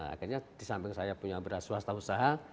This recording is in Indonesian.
akhirnya di samping saya punya beras swasta usaha